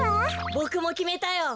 ボクもきめたよ。